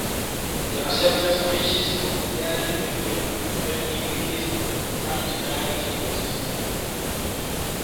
The acceptance speeches of Daniel Kaluuya and Remi Weekes thanked minority voices.